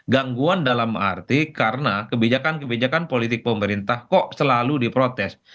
gangguan dalam arti karena kebijakan kebijakan politik pemerintah kok selalu diprotes